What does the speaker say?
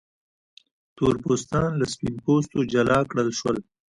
تور پوستان له سپین پوستو جلا کړل شول.